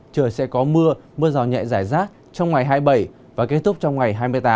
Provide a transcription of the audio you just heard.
trời sẽ có mưa mưa rào nhẹ giải rác trong ngày hai mươi bảy và kết thúc trong ngày hai mươi tám